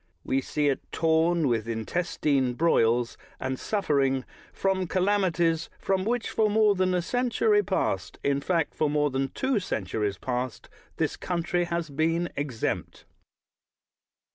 We see it torn with intestine broils, and suffering from calamities from which for more than a century past — in fact, for more than tsvo centuries past — this country has been exempt.